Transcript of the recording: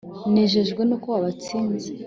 nejerejwe n'uko wabatsinze